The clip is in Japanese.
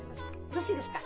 よろしいですか？